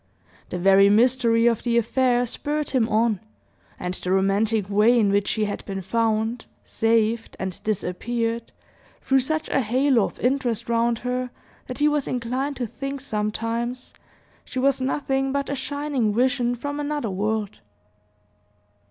The very mystery of the affair spurred him on, and the romantic way in which she had been found, saved, and disappeared, threw such a halo of interest round her, that he was inclined to think sometimes she was nothing but a shining vision from another world.